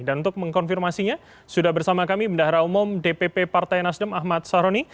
dan untuk mengkonfirmasinya sudah bersama kami bendahara umum dpp partai nasdem ahmad saroni